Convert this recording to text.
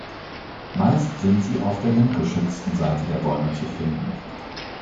Meist sind sie auf der windgeschützten Seite der Bäume zu finden.